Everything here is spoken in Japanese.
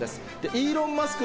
イーロン・マスク